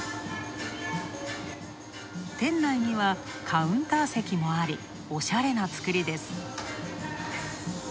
店内には、カウンター席もあり、おしゃれな造りです。